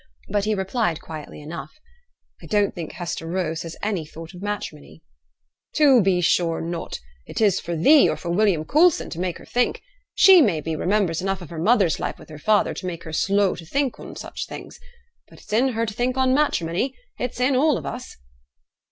But he replied quietly enough. 'I don't think Hester Rose has any thought of matrimony.' 'To be sure not; it is for thee, or for William Coulson, to make her think. She, may be, remembers enough of her mother's life with her father to make her slow to think on such things. But it's in her to think on matrimony; it's in all of us.'